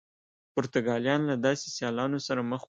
پرتګالیان له داسې سیالانو سره مخ وو.